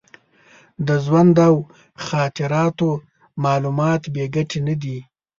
د ژوند او خاطراتو معلومات بې ګټې نه دي.